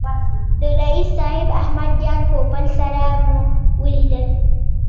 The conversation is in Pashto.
د رییس صاحب احمد جان پوپل سره مو ولیدل.